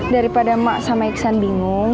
daripada mak sama iksan bingung